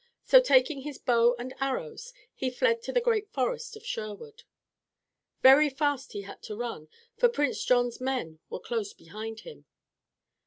So taking his bow and arrows, he fled to the great forest of Sherwood. Very fast he had to run, for Prince John's men were close behind him.